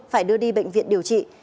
phải đưa đi bệnh viện điều trị